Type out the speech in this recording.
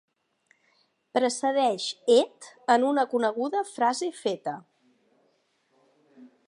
Precedeix Et en una coneguda frase feta.